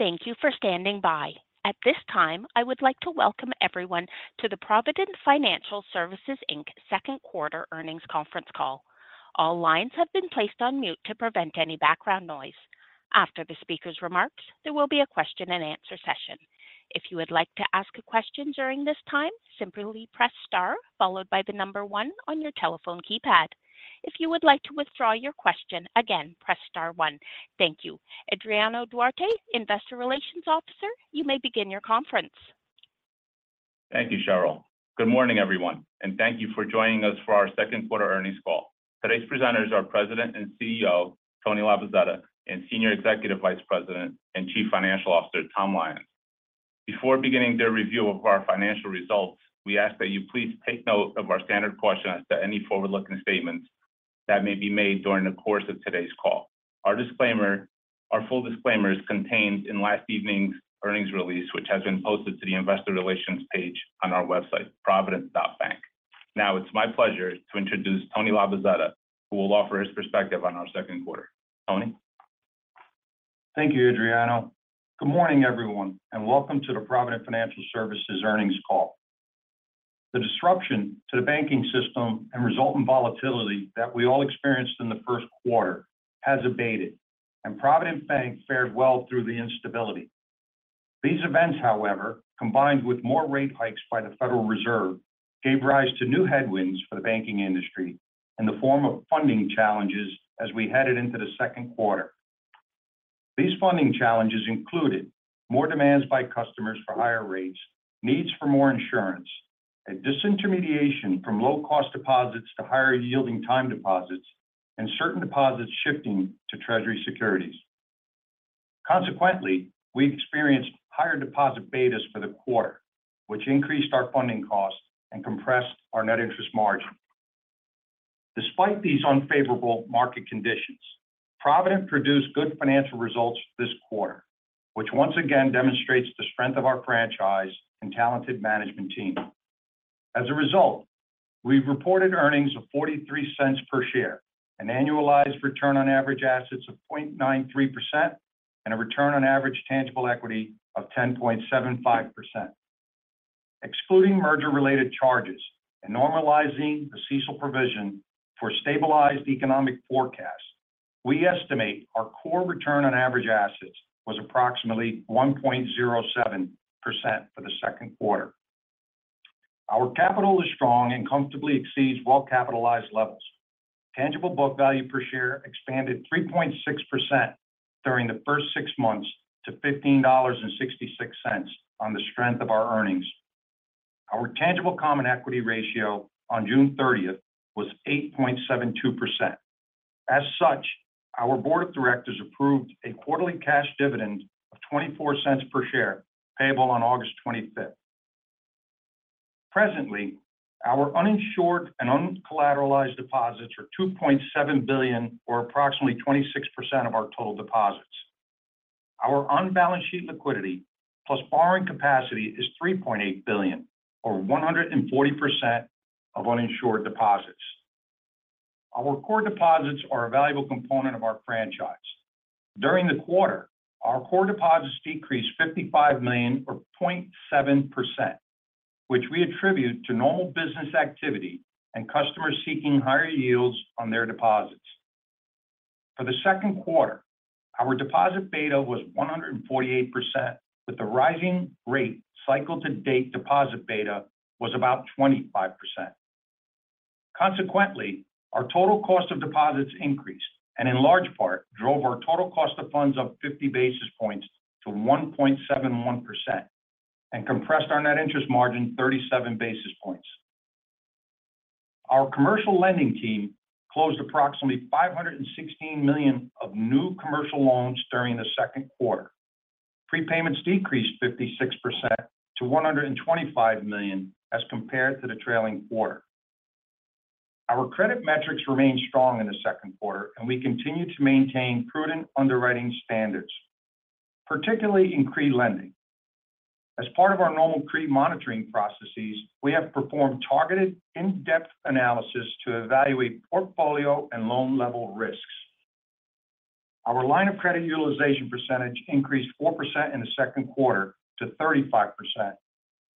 Thank you for standing by. At this time, I would like to welcome everyone to the Provident Financial Services Inc. second quarter earnings conference call. All lines have been placed on mute to prevent any background noise. After the speaker's remarks, there will be a question and answer session. If you would like to ask a question during this time, simply press star followed by one on your telephone keypad. If you would like to withdraw your question again, press star one. Thank you. Adriano Duarte, Investor Relations Officer, you may begin your conference. Thank you, Cheryl. Good morning, everyone. Thank you for joining us for our Q2 earnings call. Today's presenters are President and Chief Executive Officer, Tony Labozzetta, and Senior Executive Vice President and Chief Financial Officer, Tom Lyons. Before beginning their review of our financial results, we ask that you please take note of our standard caution as to any forward-looking statements that may be made during the course of today's call. Our full disclaimer is contained in last evening's earnings release, which has been posted to the investor relations page on our website, provident.bank. It's my pleasure to introduce Tony Labozzetta, who will offer his perspective on our Q2. Tony? Thank you, Adriano. Good morning, everyone, welcome to the Provident Financial Services earnings call. The disruption to the banking system and resultant volatility that we all experienced in the Q1 has abated, Provident Bank fared well through the instability. These events, however, combined with more rate hikes by the Federal Reserve, gave rise to new headwinds for the banking industry in the form of funding challenges as we headed into the second quarter. These funding challenges included more demands by customers for higher rates, needs for more insurance, a disintermediation from low-cost deposits to higher-yielding time deposits, certain deposits shifting to treasury securities. Consequently, we experienced higher deposit betas for the quarter, which increased our funding costs and compressed our net interest margin. Despite these unfavorable market conditions, Provident produced good financial results this quarter, which once again demonstrates the strength of our franchise and talented management team. As a result, we've reported earnings of $0.43 per share, an annualized return on average assets of 0.93%, and a return on average tangible equity of 10.75%. Excluding merger-related charges and normalizing the CECL provision for stabilized economic forecast, we estimate our core return on average assets was approximately 1.07% for the Q2. Our capital is strong and comfortably exceeds well-capitalized levels. Tangible book value per share expanded 3.6% during the first six months to $15.66 on the strength of our earnings. Our tangible common equity ratio on June 30th was 8.72%. As such our board of directors approved a quarterly cash dividend of $0.24 per share, payable on August 25th. Presently, our uninsured and uncollateralized deposits are $2.7 billion, or approximately 26% of our total deposits. Our on-balance sheet liquidity, plus borrowing capacity, is $3,800,000 or 140% of uninsured deposits. Our core deposits are a valuable component of our franchise. During the quarter, our core deposits decreased $55 million, or 0.7%, which we attribute to normal business activity and customers seeking higher yields on their deposits. For the Q2 our deposit beta was 148%, with the rising rate cycle-to-date deposit beta was about 25%. Consequently, our total cost of deposits increased, and in large part drove our total cost of funds up 50 basis points to 1.71% and compressed our net interest margin 37 basis points. Our commercial lending team closed approximately $516 million of new commercial loans during the second quarter. Prepayments decreased 56% to $125 million as compared to the trailing quarter. Our credit metrics remained strong in the Q2 and we continue to maintain prudent underwriting standards, particularly in CRE lending. As part of our normal CRE monitoring processes, we have performed targeted in-depth analysis to evaluate portfolio and loan level risks. Our line of credit utilization percentage increased 4% in the second quarter to 35%,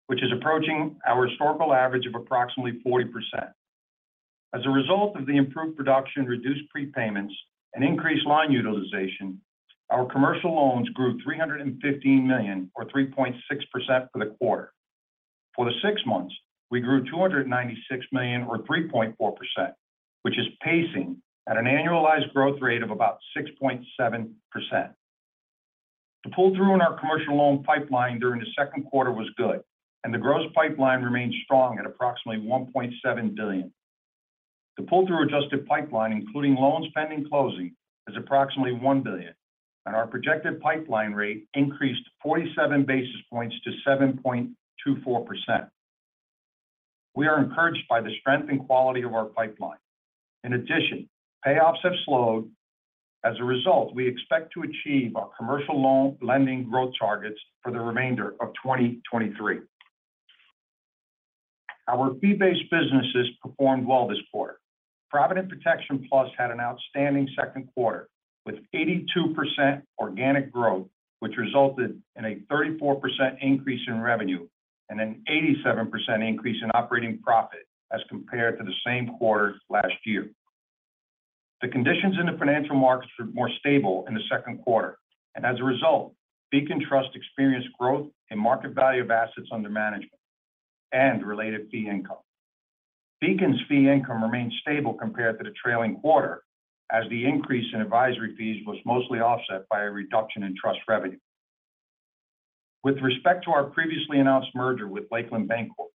which is approaching our historical average of approximately 40%. As a result of the improved production, reduced prepayments, and increased line utilization, our commercial loans grew $315 million, or 3.6% for the quarter. For the six months, we grew $296 million or 3.4%, which is pacing at an annualized growth rate of about 6.7%. The pull-through in our commercial loan pipeline during the second quarter was good, and the gross pipeline remains strong at approximately $1.7 billion. The pull-through adjusted pipeline, including loans pending closing, is approximately $1 billion, and our projected pipeline rate increased 47 basis points to 7.24%. We are encouraged by the strength and quality of our pipeline. In addition, pay offs have slowed. As a result, we expect to achieve our commercial loan lending growth targets for the remainder of 2023. Our fee-based businesses performed well this quarter. Provident Protection Plus had an outstanding Q2 with 82% organic growth, which resulted in a 34% increase in revenue and an 87% increase in operating profit as compared to the same quarter last year. The conditions in the financial markets were more stable in the second quarter, and as a result, Beacon Trust experienced growth in market value of assets under management and related fee income. Beacon's fee income remained stable compared to the trailing quarter, as the increase in advisory fees was mostly offset by a reduction in trust revenue. With respect to our previously announced merger with Lakeland Bancorp,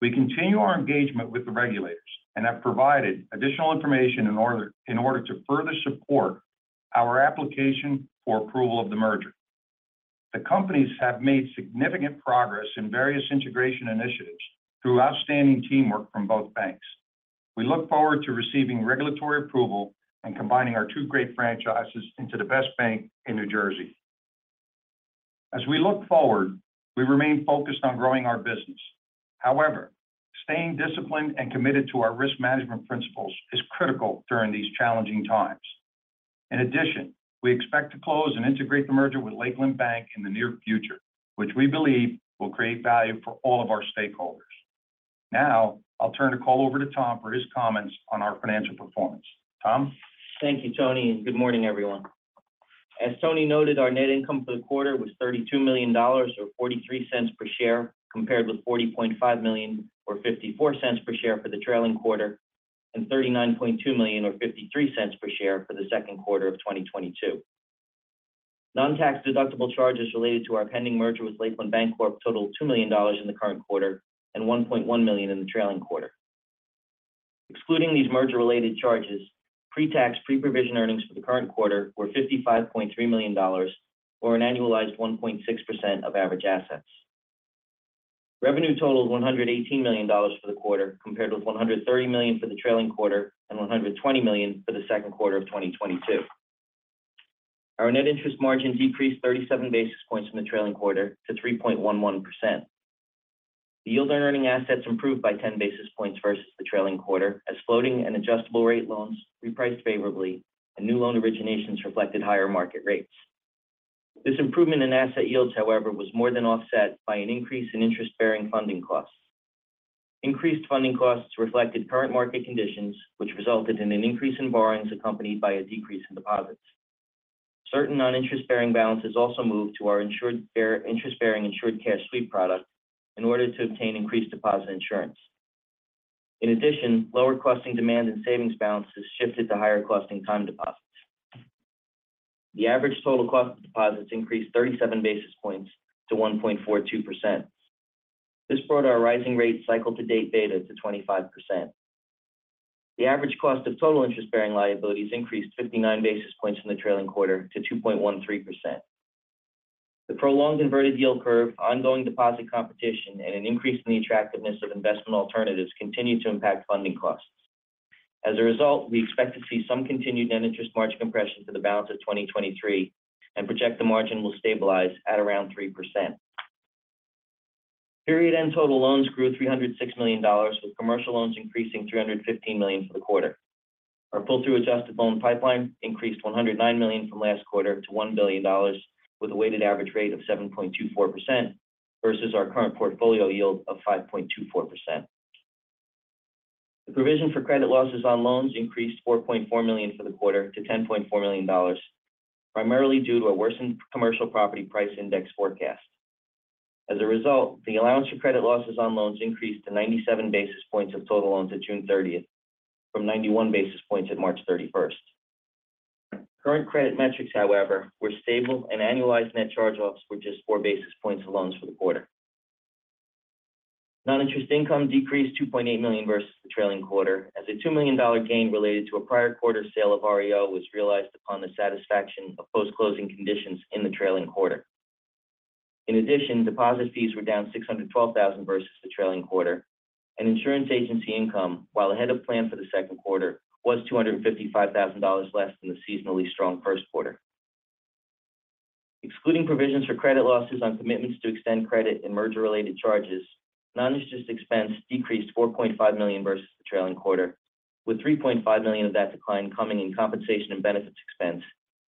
we continue our engagement with the regulators and have provided additional information in order to further support our application for approval of the merger. The companies have made significant progress in various integration initiatives through outstanding teamwork from both banks. We look forward to receiving regulatory approval and combining our two great franchises into the best bank in New Jersey. As we look forward, we remain focused on growing our business. However, staying disciplined and committed to our risk management principles is critical during these challenging times. In addition, we expect to close and integrate the merger with Lakeland Bank in the near future, which we believe will create value for all of our stakeholders. Now, I'll turn the call over to Tom for his comments on our financial performance. Tom? Thank you, Tony. Good morning, everyone. As Tony noted, our net income for the quarter was $32 million, or $0.43 per share, compared with $40.5 million or $0.54 per share for the trailing quarter, and $39.2 million or $0.53 per share for the Q2 of 2022. Non-tax deductible charges related to our pending merger with Lakeland Bancorp totaled $2 million in the current quarter and $1.1 million in the trailing quarter. Excluding these merger-related charges, pre-tax, pre-provision earnings for the current quarter were $55.3 million, or an annualized 1.6% of average assets. Revenue totaled $118 million for the quarter, compared with $130 million for the trailing quarter and $120 million for the Q2 of 2022. Our net interest margin decreased 37 basis points from the trailing quarter to 3.11%. The yield on earning assets improved by 10 basis points versus the trailing quarter, as floating and adjustable rate loans repriced favorably and new loan originations reflected higher market rates. This improvement in asset yields, however, was more than offset by an increase in interest-bearing funding costs. Increased funding costs reflected current market conditions, which resulted in an increase in borrowings accompanied by a decrease in deposits. Certain non-interest-bearing balances also moved to our interest-bearing Insured Cash Sweep product in order to obtain increased deposit insurance. In addition, lower costing demand and savings balances shifted to higher costing time deposits. The average total cost of deposits increased 37 basis points to 1.42%. This brought our rising rate cycle to date beta to 25%. The average cost of total interest-bearing liabilities increased 59 basis points in the trailing quarter to 2.13%. The prolonged inverted yield curve, ongoing deposit competition, and an increase in the attractiveness of investment alternatives continued to impact funding costs. As a result, we expect to see some continued net interest margin compression for the balance of 2023 and project the margin will stabilize at around 3%. Period end total loans grew $306 million, with commercial loans increasing $315 million for the quarter. Our pull-through adjusted loan pipeline increased $109 million from last quarter to $1 billion, with a weighted average rate of 7.24% versus our current portfolio yield of 5.24%. The provision for credit losses on loans increased $4.4 million for the quarter to $10.4 million, primarily due to a worsened commercial property price index forecast. As a result, the allowance for credit losses on loans increased to 97 basis points of total loans at June 30th, from 91 basis points at March 31st. Current credit metrics, however, were stable and annualized net charge-offs were just four basis points of loans for the quarter. Non-interest income decreased $2.8 million versus the trailing quarter, as a $2 million gain related to a prior quarter sale of REO was realized upon the satisfaction of post-closing conditions in the trailing quarter. In addition, deposit fees were down $612,000 versus the trailing quarter. Insurance agency income, while ahead of plan for the Q2 was $255,000 less than the seasonally strong first quarter. Excluding provisions for credit losses on commitments to extend credit and merger-related charges, non-interest expense decreased $4.5 million versus the trailing quarter, with $3.5 million of that decline coming in compensation and benefits expense,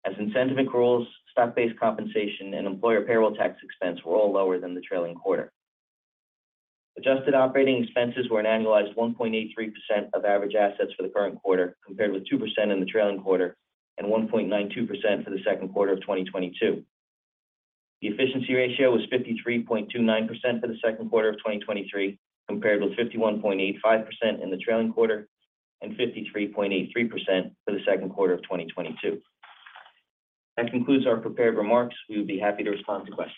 as incentive accruals, stock-based compensation, and employer payroll tax expense were all lower than the trailing quarter. Adjusted operating expenses were an annualized 1.83% of average assets for the current quarter, compared with 2% in the trailing quarter and 1.92% for the Q2 of 2022. The efficiency ratio was 53.29% for the Q2 of 2023, compared with 51.85% in the trailing quarter and 53.83% for the Q2 of 2022. That concludes our prepared remarks. We would be happy to respond to questions.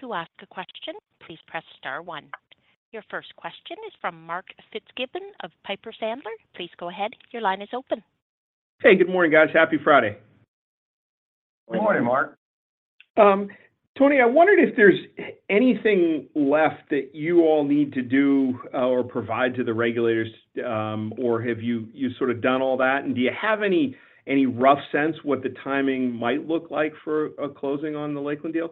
To ask a question, please press Star one. Your first question is from Mark Fitzgibbon of Piper Sandler. Please go ahead. Your line is open. Hey, good morning, guys. Happy Friday. Good morning, Mark. Tony, I wondered if there's anything left that you all need to do, or provide to the regulators, or have you, you sort of done all that? Do you have any, any rough sense what the timing might look like for a closing on the Lakeland deal?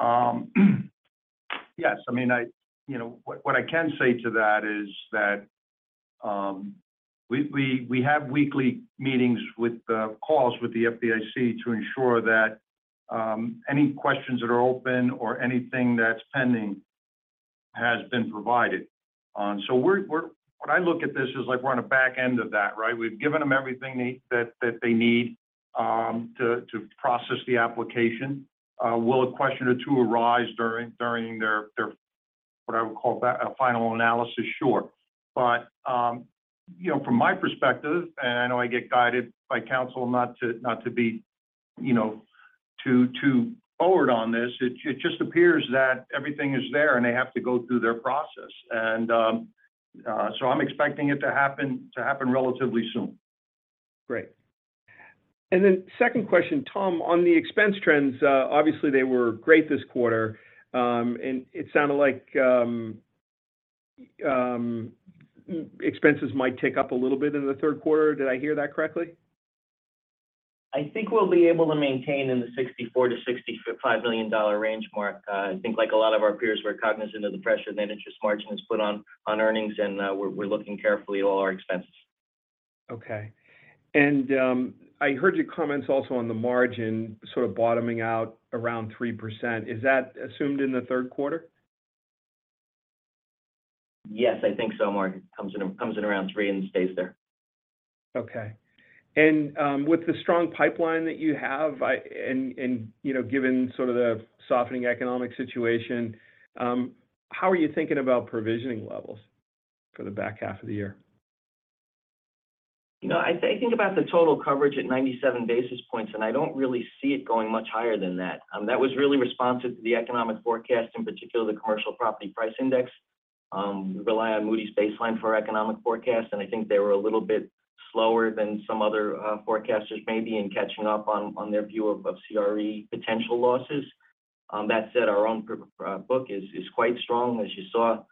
Yes, I mean, I, you know, what, what I can say to that is that, we, we, we have weekly meetings with calls with the FDIC to ensure that any questions that are open or anything that's pending has been provided on. We're what I look at this is like we're on the back end of that, right? We've given them everything they, that, that they need, to, to process the application. Will a question or two arise during, during their, their, what I would call a final analysis? Sure. You know, from my perspective, and I know I get guided by counsel not to, not to be, you know, too, too forward on this, it, it just appears that everything is there, and they have to go through their process. I'm expecting it to happen, to happen relatively soon. Great. Second question, Tom, on the expense trends, obviously they were great this quarter. It sounded like expenses might tick up a little bit in the Q3, Did I hear that correctly? I think we'll be able to maintain in the $64 -$65 million range, Mark. I think like a lot of our peers, we're cognizant of the pressure that interest margin has put on, on earnings, and we're looking carefully at all our expenses. Okay. I heard your comments also on the margin sort of bottoming out around 3%. Is that assumed in the Q3? Yes, I think so, Mark. Comes in, comes in around three and stays there. Okay. With the strong pipeline that you have, you know, given sort of the softening economic situation, how are you thinking about provisioning levels for the back half of the year? You know, I, I think about the total coverage at 97 basis points. I don't really see it going much higher than that. That was really responsive to the economic forecast, in particular, the commercial property price index. We rely on Moody's baseline for our economic forecast, and I think they were a little bit slower than some other forecasters may be in catching up on, on their view of, of CRE potential losses. That said, our own uncertain is, is quite strong, as you saw.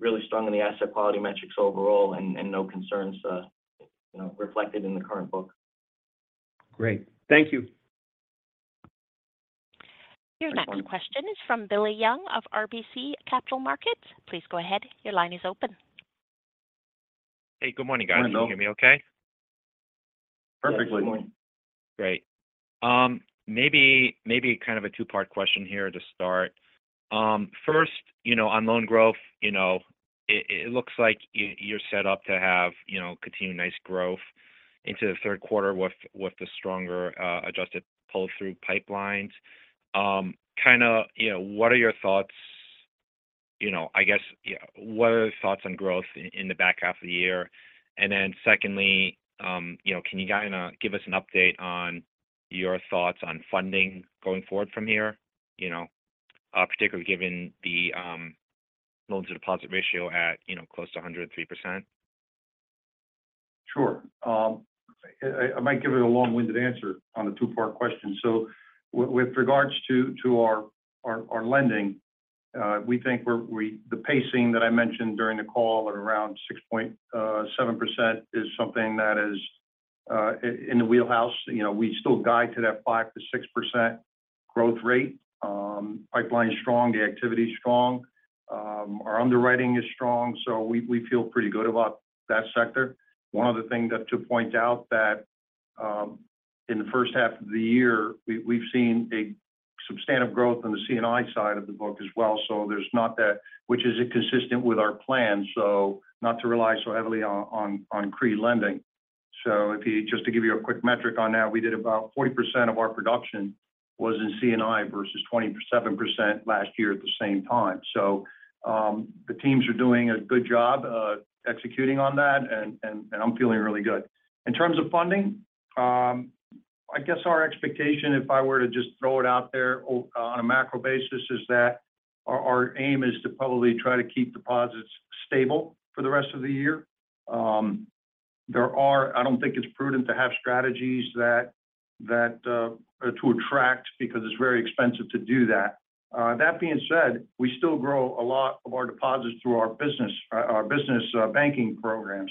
Really strong in the asset quality metrics overall and, and no concerns, you know, reflected in the current book. Great. Thank you. Your next question is from Bill Young of RBC Capital Markets. Please go ahead. Your line is open. Hey, good morning, guys. Good morning. Can you hear me okay? Perfectly. Good morning. Great. Maybe, maybe kind of a two-part question here to start. First, you know, on loan growth, you know, it, it looks like you, you're set up to have, you know, continued nice growth into the Q3 with, with the stronger, adjusted pull-through pipelines. Kind of, you know, what are your thoughts? You know, I guess, yeah, what are your thoughts on growth in the back half of the year? Then secondly, you know, can you kind of give us an update on your thoughts on funding going forward from here? You know, particularly given the loans to deposit ratio at, you know, close to 103%. Sure. I, I might give it a long-winded answer on a two-part question. With regards to, to our, our, our lending, we think we're, we-- the pacing that I mentioned during the call at around 6.7% is something that is, i-in the wheelhouse. You know, we still guide to that 5%-6% growth rate. Pipeline is strong, the activity is strong, our underwriting is strong, so we, we feel pretty good about that sector. One other thing that to point out that, in the first half of the year, we, we've seen a substantive growth on the CNI side of the book as well. There's not that-- which is inconsistent with our plan, so not to rely so heavily on, on, on CRE lending. Just to give you a quick metric on that, we did about 40% of our production was in CNI versus 27% last year at the same time. The teams are doing a good job executing on that, and I'm feeling really good. In terms of funding, I guess our expectation, if I were to just throw it out there on a macro basis, is that our aim is to probably try to keep deposits stable for the rest of the year. I don't think it's prudent to have strategies that to attract because it's very expensive to do that. That being said, we still grow a lot of our deposits through our business banking program,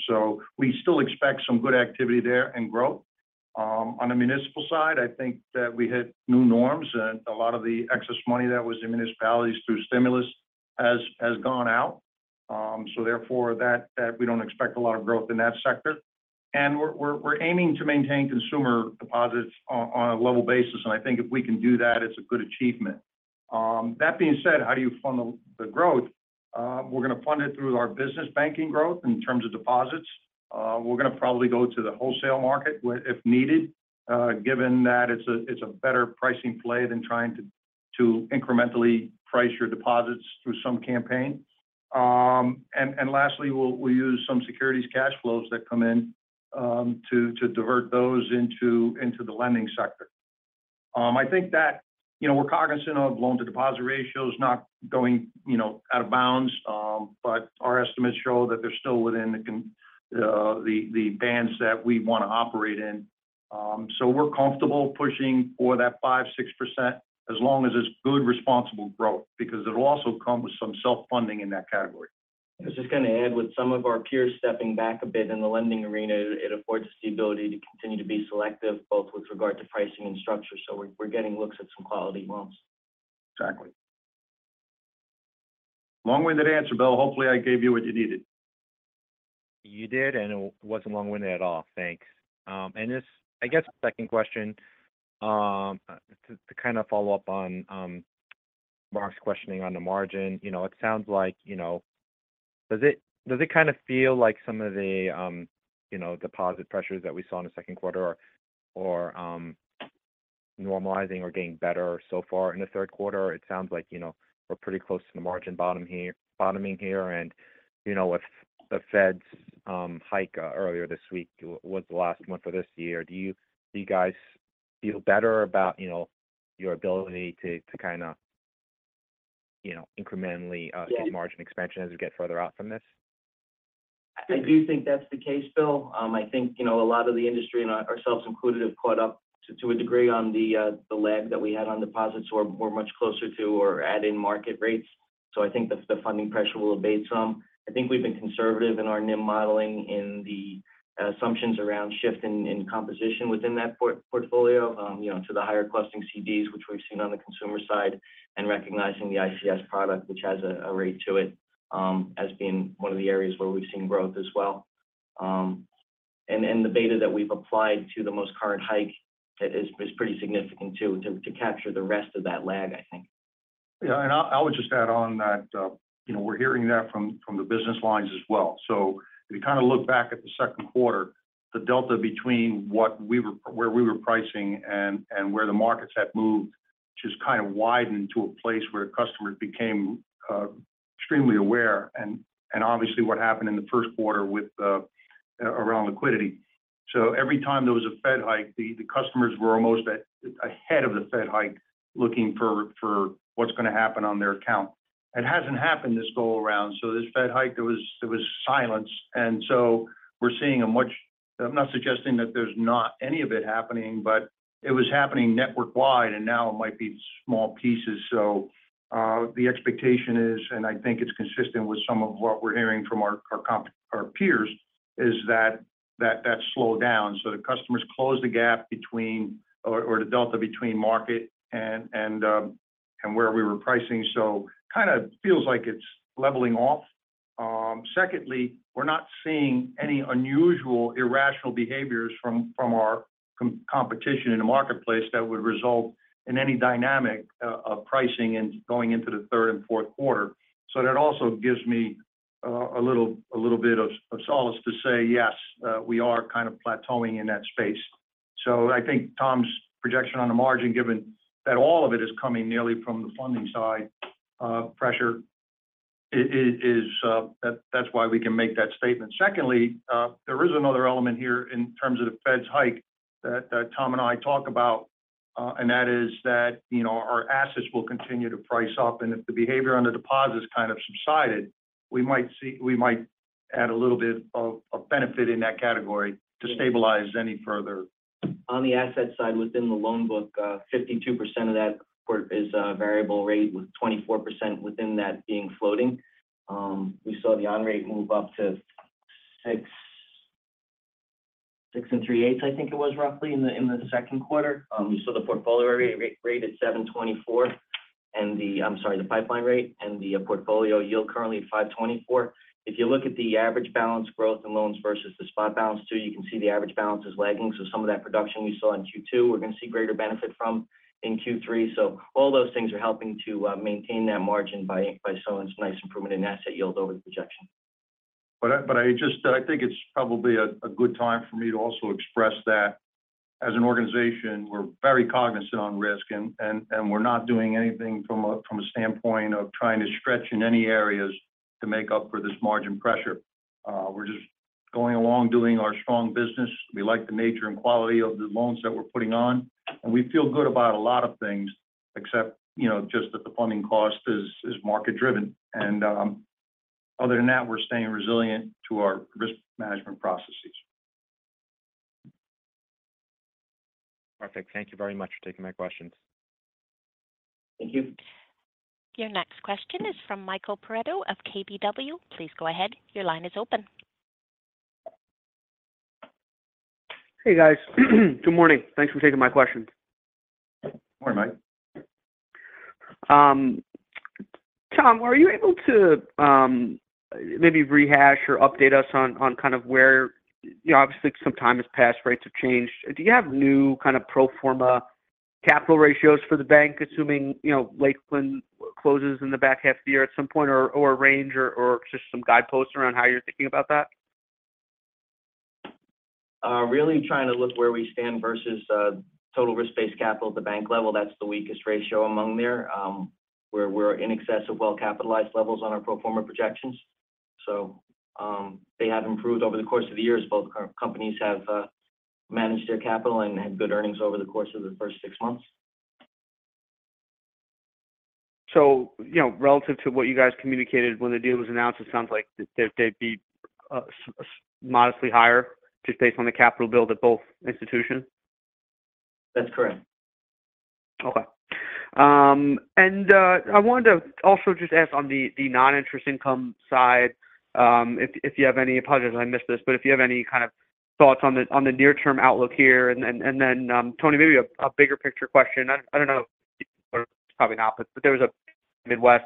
we still expect some good activity there and growth. On the municipal side, I think that we hit new norms, and a lot of the excess money that was in municipalities through stimulus has gone out. Therefore, that we don't expect a lot of growth in that sector. We're, we're, we're aiming to maintain consumer deposits on, on a level basis, and I think if we can do that, it's a good achievement. That being said, how do you fund the growth? We're going to fund it through our business banking growth in terms of deposits. We're going to probably go to the wholesale market if needed, given that it's a better pricing play than trying to, to incrementally price your deposits through some campaign. Lastly, we'll, we'll use some securities cash flows that come in, to, to divert those into, into the lending sector. I think that, you know, we're cognizant of loan-to-deposit ratios not going, you know, out of bounds, but our estimates show that they're still within the bands that we want to operate in. We're comfortable pushing for that 5%, 6%, as long as it's good, responsible growth, because it'll also come with some self-funding in that category. I was just going to add, with some of our peers stepping back a bit in the lending arena, it affords us the ability to continue to be selective, both with regard to pricing and structure. We're getting looks at some quality loans. Exactly. Long-winded answer, Bill. Hopefully, I gave you what you needed. You did, and it wasn't long-winded at all. Thanks. Just I guess the second question, to, to kind of follow up on Mark's questioning on the margin. You know, it sounds like, you know-- does it, does it kind of feel like some of the, you know, deposit pressures that we saw in the Q2 are, are, normalizing or getting better so far in the Q3. It sounds like, you know, we're pretty close to the margin bottoming here. You know, with the Fed's hike earlier this week, was the last one for this year, do you guys feel better about, you know, your ability to, to kind of, you know, incrementally, Yes... see margin expansion as we get further out from this? I do think that's the case, Bill. I think, you know, a lot of the industry and our, ourselves included, have caught up to, to a degree on the lag that we had on deposits, so we're, we're much closer to or adding market rates. I think that the funding pressure will abate some. I think we've been conservative in our NIM modeling in the assumptions around shift in, in composition within that portfolio. You know, to the higher-costing CDs, which we've seen on the consumer side, and recognizing the ICS product, which has a rate to it, as being one of the areas where we've seen growth as well. And, and the beta that we've applied to the most current hike is, is pretty significant too, to, to capture the rest of that lag, I think. Yeah, I, I would just add on that, you know, we're hearing that from, from the business lines as well. If you kind of look back at the Q2 the delta between what we were where we were pricing and, and where the markets had moved, just kind of widened to a place where customers became extremely aware and, and obviously what happened in the Q1 with around liquidity. Every time there was a Fed hike, the, the customers were almost at, ahead of the Fed hike, looking for, for what's going to happen on their account. It hasn't happened this go around. This Fed hike, there was silence, and so we're seeing a much... I'm not suggesting that there's not any of it happening, but it was happening network-wide, and now it might be small pieces. The expectation is, and I think it's consistent with some of what we're hearing from our, our peers, is that, that, that slowed down. The customers closed the gap between or, or the delta between market and, and, and where we were pricing. Kind of feels like it's leveling off. Secondly, we're not seeing any unusual irrational behaviors from, from our competition in the marketplace that would result in any dynamic of pricing and going into the third and fourth quarter. That also gives me a little, a little bit of, of solace to say, yes, we are kind of plateauing in that space. I think Tom's projection on the margin, given that all of it is coming nearly from the funding side, pressure, that's why we can make that statement. Secondly, there is another element here in terms of the Fed's hike that Tom and I talk about, and that is that, you know, our assets will continue to price up, and if the behavior on the deposits kind of subsided, we might add a little bit of benefit in that category to stabilize any further. On the asset side, within the loan book, 52% of that port is a variable rate, with 24% within that being floating. We saw the on rate move up to 6.375%, I think it was roughly in the Q2. We saw the portfolio rate at 7.24%, and I'm sorry, the pipeline rate and the portfolio yield currently at 5.24%. If you look at the average balance growth in loans versus the spot balance too, you can see the average balance is lagging. Some of that production we saw in Q2, we're going to see greater benefit from in Q3. All those things are helping to maintain that margin by showing some nice improvement in asset yield over the projection. I think it's probably a, a good time for me to also express that as an organization, we're very cognizant on risk and, and, and we're not doing anything from a, from a standpoint of trying to stretch in any areas to make up for this margin pressure. We're just going along, doing our strong business. We like the nature and quality of the loans that we're putting on, and we feel good about a lot of things, except, you know, just that the funding cost is, is market-driven. And, other than that, we're staying resilient to our risk management processes. Perfect. Thank you very much for taking my questions. Thank you. Your next question is from Michael Perito of KBW. Please go ahead. Your line is open. Hey, guys. Good morning. Thanks for taking my questions. Good morning, Mike. Tom, are you able to, maybe rehash or update us on, on kind of where. Obviously, some time has passed, rates have changed. Do you have new kind of pro forma capital ratios for the bank, assuming, you know, Lakeland closes in the back half of the year at some point, or, or a range or, or just some guideposts around how you're thinking about that? Really trying to look where we stand versus total risk-based capital at the bank level. That's the weakest ratio among there. We're in excess of well-capitalized levels on our pro forma projections. They have improved over the course of the years. Both our companies have managed their capital and had good earnings over the course of the first six months. You know, relative to what you guys communicated when the deal was announced, it sounds like they, they'd be modestly higher, just based on the capital build at both institutions? That's correct. Okay. I wanted to also just ask on the non-interest income side, if you have any-- apologies if I missed this, but if you have any kind of thoughts on the near-term outlook here. Then, and then, Tony, maybe a bigger picture question. I, I don't know, probably not, but there was a Midwest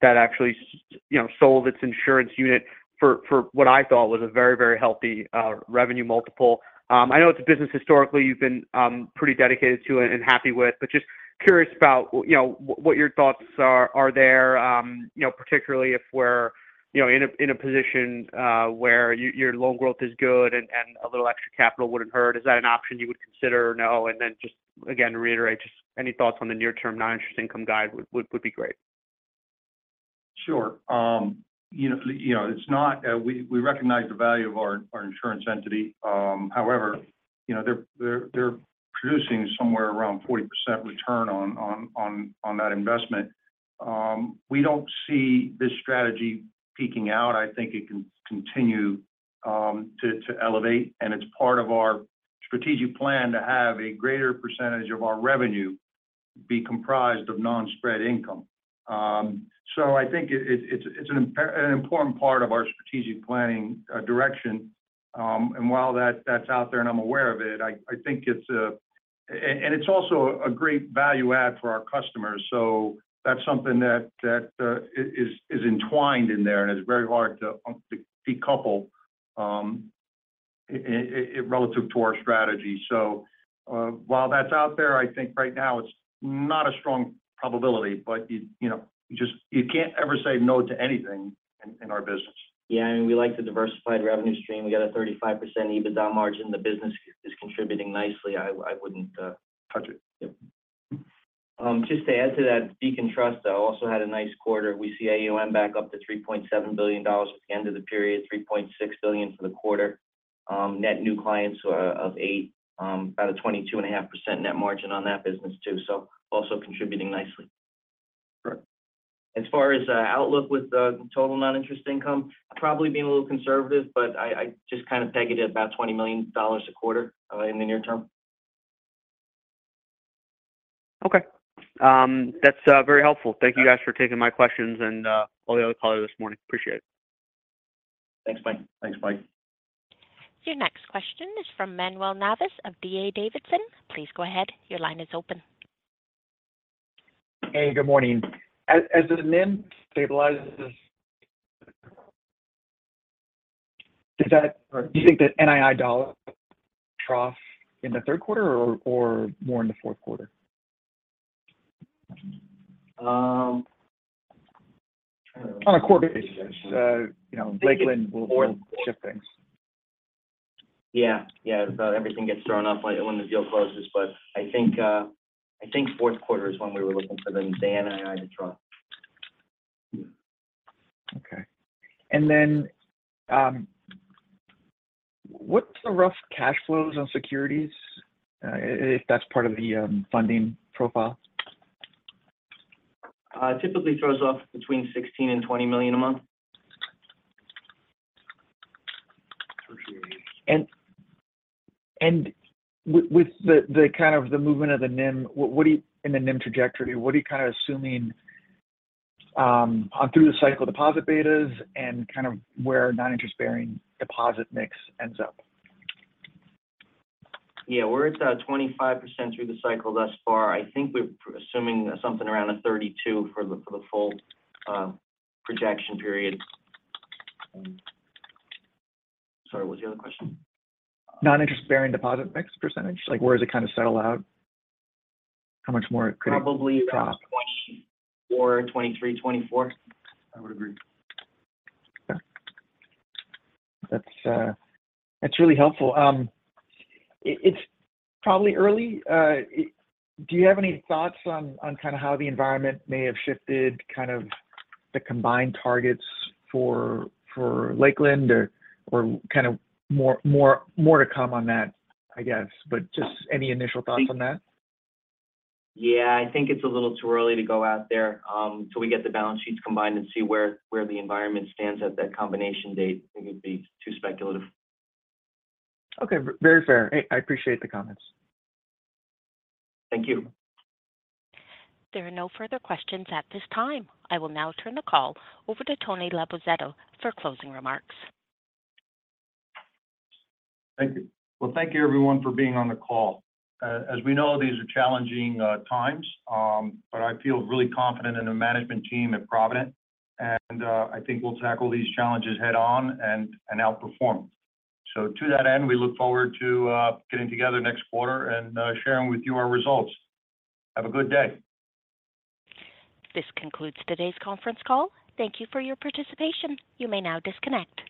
that actually s- you know, sold its insurance unit for what I thought was a very, very healthy revenue multiple. I know it's a business historically you've been pretty dedicated to and happy with, but just curious about w- you know, what your thoughts are there. You know, particularly if we're, you know, in a position where y- your loan growth is good and a little extra capital wouldn't hurt. Is that an option you would consider or no? Then just again, to reiterate, just any thoughts on the near-term non-interest income guide would, would, would be great. Sure. You know, you know, it's not. We, we recognize the value of our, our insurance entity. However, you know, they're, they're, they're producing somewhere around 40% return on, on, on, on that investment. We don't see this strategy peaking out. I think it can continue to, to elevate, and it's part of our strategic plan to have a greater percentage of our revenue be comprised of non-spread income. I think it, it's, it's an, an important part of our strategic planning direction. While that-that's out there, and I'm aware of it, I, I think it's and it's also a great value add for our customers. That's something that, that is, is entwined in there and is very hard to decouple relative to our strategy. While that's out there, I think right now it's not a strong probability, but you, you know, you just you can't ever say no to anything in, in our business. Yeah, we like the diversified revenue stream. We got a 35% EBITDA margin. The business is contributing nicely. I, I wouldn't touch it. Yep. Just to add to that, Beacon Trust, though, also had a nice quarter. We see AUM back up to $3.7 billion at the end of the period, $3.6 billion for the quarter. Net new clients of 8, about a 22.5% net margin on that business, too, so also contributing nicely. Sure. As far as outlook with the total non-interest income, probably being a little conservative, but I, I just kind of peg it at about $20 million a quarter, in the near term. Okay. That's very helpful. Thank you guys for taking my questions and all the other callers this morning. Appreciate it. Thanks, Mike. Thanks, Mike. Your next question is from Manuel Navas of D.A. Davidson. Please go ahead. Your line is open. Hey, good morning. As, as the NIM stabilizes, does that, or do you think that NII dollar trough in the Q3 or, or more in the Q4? Um, kind of- On a quarter basis, you know, Lakeland will, will shift things. Yeah. Yeah. Everything gets thrown off when, when the deal closes. I think, I think Q4 is when we were looking for the NII to drop. Okay. Then, what's the rough cash flows on securities, if that's part of the funding profile? Typically throws off between $16 million and $20 million a month. Appreciate it. And with the kind of the movement of the NIM, and the NIM trajectory, what are you kind of assuming, on through the cycle deposit betas and kind of where non-interest-bearing deposit mix ends up? Yeah, we're at 25% through the cycle thus far. I think we're assuming something around a 32 for the, for the full projection period. Sorry, what was the other question? Non-interest-bearing deposit mix percentage. Like, where does it kind of settle out? How much more it could- Probably around. -drop. 24, 23, 24. I would agree. Okay. That's, that's really helpful. It, it's probably early, do you have any thoughts on, on kind of how the environment may have shifted kind of the combined targets for, for Lakeland or, or kind of more, more, more to come on that, I guess? Just any initial thoughts on that? Yeah, I think it's a little too early to go out there, till we get the balance sheets combined and see where, where the environment stands at that combination date. I think it'd be too speculative. Okay. Very fair. I appreciate the comments. Thank you. There are no further questions at this time. I will now turn the call over to Tony Labozzetta for closing remarks. Thank you. Well, thank you, everyone, for being on the call. as we know, these are challenging times, but I feel really confident in the management team at Provident. I think we'll tackle these challenges head-on and, and outperform. To that end, we look forward to getting together next quarter and sharing with you our results. Have a good day. This concludes today's conference call. Thank you for your participation. You may now disconnect.